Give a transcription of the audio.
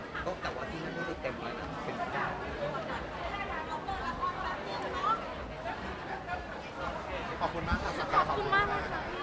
ขอบคุณมากค่ะ